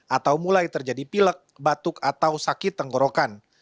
atau mulai terjadi pilek batuk atau sakit tenggorokan